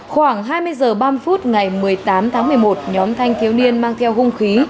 khoảng hai mươi h ba mươi phút ngày một mươi tám tháng một mươi một nhóm thanh thiếu niên mang theo hung khí